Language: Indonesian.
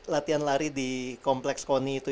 latihan lari di kompleks koni itu